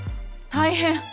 大変！